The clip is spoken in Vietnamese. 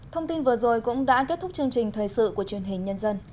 thông tin vừa rồi cũng đã kết thúc chương trình thời sự của truyền hình nhân dân